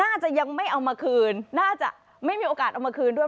น่าจะยังไม่เอามาคืนน่าจะไม่มีโอกาสเอามาคืนด้วย